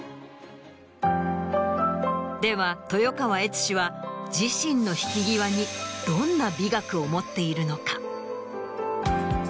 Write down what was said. では豊川悦司は自身の引き際にどんな美学を持っているのか？